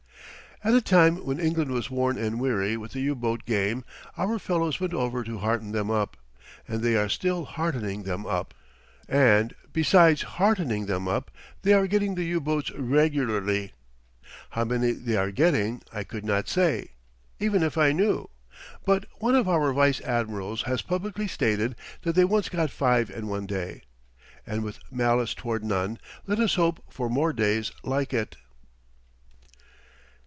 At a time when England was worn and weary with the U boat game, our fellows went over to hearten them up; and they are still heartening them up; and, besides heartening them up, they are getting the U boats regularly. How many they are getting I could not say, even if I knew; but one of our vice admirals has publicly stated that they once got five in one day. And with malice toward none, let us hope for more days like it.